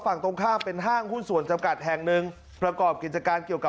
ฝั่งตรงข้ามเป็นห้างหุ้นส่วนจำกัดแห่งหนึ่งประกอบกิจการเกี่ยวกับ